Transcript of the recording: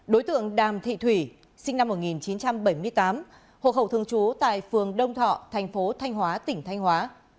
đối tượng đàm thị thủy sinh năm một nghìn chín trăm bảy mươi tám hộ khẩu thường trú tại phường đông thọ thành phố thanh hóa tỉnh thanh hóa